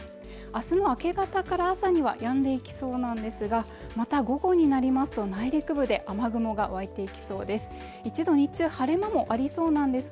あすの明け方から朝にはやんできそうなんですがまた午後になりますと内陸部で雨雲が湧いてきそうです